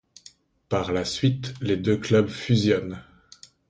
Par la suite les deux clubs fusionnent.